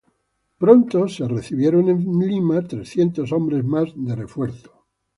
Pronto se recibió en Lima, trescientos hombres más de refuerzo.